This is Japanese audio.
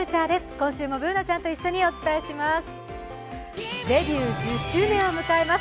今週もＢｏｏｎａちゃんと一緒にお伝えします。